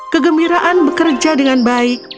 kegembiraan bekerja dengan baik